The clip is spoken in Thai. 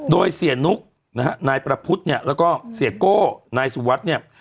โดยเซียนุ๊กนายประพุทธแล้วก็เซียโก้นายสุวัสดิ์